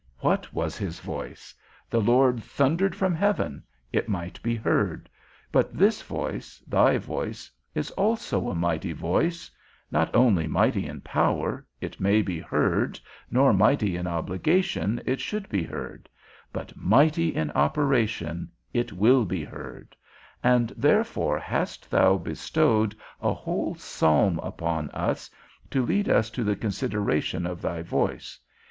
_ What was his voice? The Lord thundered from heaven, it might be heard; but this voice, thy voice, is also a mighty voice; not only mighty in power, it may be heard, nor mighty in obligation, it should be heard; but mighty in operation, it will be heard; and therefore hast thou bestowed a whole psalm upon us, to lead us to the consideration of thy voice.